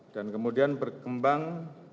dan kemudian berkembang